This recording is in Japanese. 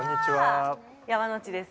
山之内です。